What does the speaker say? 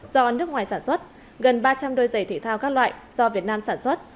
do nước ngoài sản xuất gần ba trăm linh đôi giày thể thao các loại do việt nam sản xuất